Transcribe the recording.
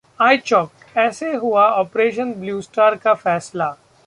iChowk: ऐसे हुआ operation blue star का फैसला